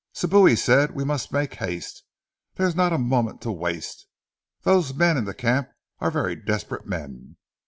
"Sibou," he said, "we must make haste. There is not a moment to waste. Those men in the camp are very desperate men.